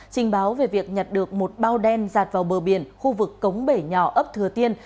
trình báo về việc nhặt được một bao đen giạt vào bờ biển khu vực cống bể nhỏ ấp thừa tiên